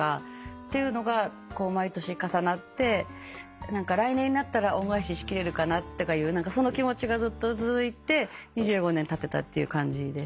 というのが毎年重なって来年になったら恩返ししきれるかなとかいうその気持ちがずっと続いて２５年たってたっていう感じです。